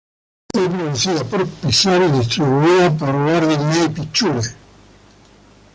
Fue producida por Pixar y distribuida por Walt Disney Pictures.